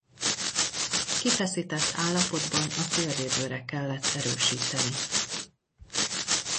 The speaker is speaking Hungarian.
Kifeszített állapotban a szélvédőre kellett erősíteni.